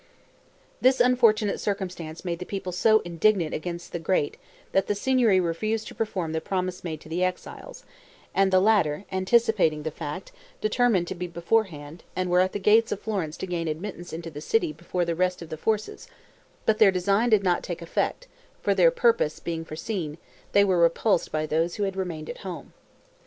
This unfortunate circumstance made the people so indignant against the great that the Signory refused to perform the promise made to the exiles, and the latter, anticipating the fact, determined to be beforehand, and were at the gates of Florence to gain admittance into the city before the rest of the forces; but their design did not take effect, for their purpose being foreseen, they were repulsed by those who had remained at home.